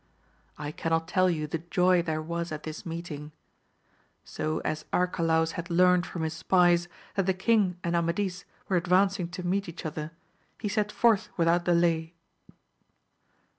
I cannot tell you the joy there was at this meeting. So as Arcalaus had learnt from his spies, that the king and Amadis were ad vancing to^meet each other, he set forth without de lay.